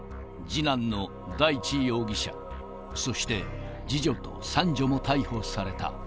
次男の大地容疑者、そして、次女と三女も逮捕された。